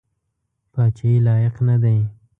پاچهي لایق نه دی.